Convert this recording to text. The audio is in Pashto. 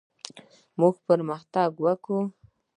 موږ پرمختګ کوو.